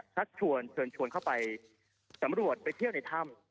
ชักชวนเชิญชวนเข้าไปสำรวจไปเที่ยวในถ้ำ